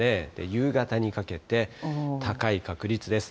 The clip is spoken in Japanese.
夕方にかけて、高い確率です。